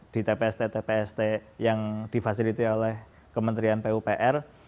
di tpst tpst yang difasiliti oleh kementerian pupr